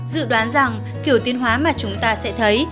dự đoán rằng kiểu tiên hóa mà chúng ta sẽ thấy